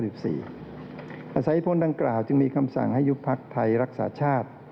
อภัยแพ้พ้นดำกล่าวจึงมีคำสั่งให้ยุคพรรคไทยรักษาชาติ